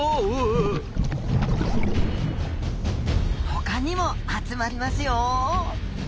他にも集まりますよ。